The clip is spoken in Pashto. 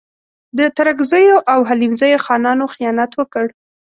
د ترکزیو او حلیمزیو خانانو خیانت وکړ.